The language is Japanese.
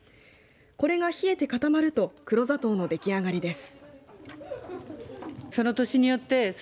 これが冷えて固まると黒砂糖の出来上がりです。